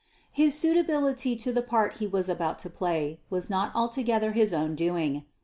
His suitability to the part he was about to play was not altogether his own doing.